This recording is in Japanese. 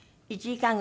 １時間半。